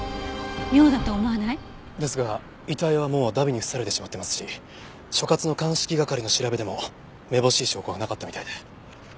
妙だと思わない？ですが遺体はもう荼毘に付されてしまってますし所轄の鑑識係の調べでもめぼしい証拠はなかったみたいで。